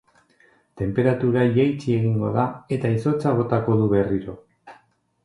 Tenperatura jaitsi egingo da eta izotza botako du berriro.